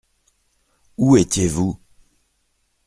Où étiez-vous ?